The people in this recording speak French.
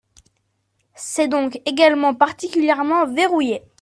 C’est donc également particulièrement verrouillé.